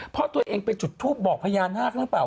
เพราะตัวเองไปจุดทูปบอกพญานาคหรือเปล่า